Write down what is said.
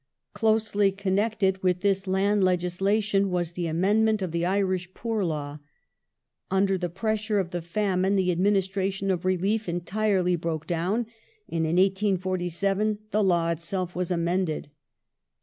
Closely connected with this land legislation was the amendment Poor Law of the Irish Poor Law.^ Under the pressure of the famine the ad ^^^f" ^ct ministration of relief entirely broke down, and in 1847 the Law (1847) itself was amended.